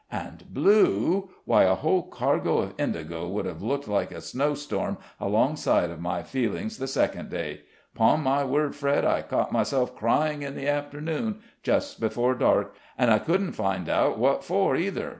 And blue! why a whole cargo of indigo would have looked like a snowstorm alongside of my feelings the second day; 'pon my word, Fred, I caught myself crying in the afternoon, just before dark, and I couldn't find out what for, either.